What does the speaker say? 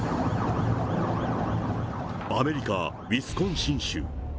アメリカ・ウィスコンシン州。